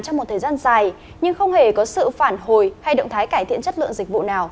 trong một thời gian dài nhưng không hề có sự phản hồi hay động thái cải thiện chất lượng dịch vụ nào